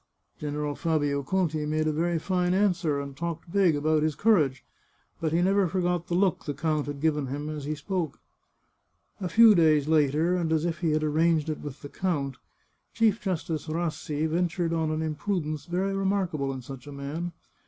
General Fabio Conti made a very fine answer, and talked big about his courage. But he never forgot the look the count had given him as he spoke. A few days later, and as if he had arranged it with the count. Chief Justice Rassi ventured on an imprudence very remarkable in such a man.